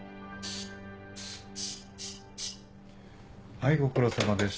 はいご苦労さまでした。